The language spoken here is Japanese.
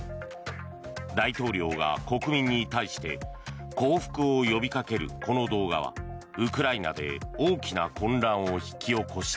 大統領が国民に対して降伏を呼びかけるこの動画はウクライナで大きな混乱を引き起こした。